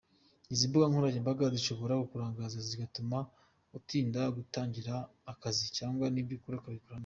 Izi mbugankoranyambaga zishobora kukurangaza zigatuma utinda gutangira akazi cyangwa n’ibyo ukora ukabikora nabi.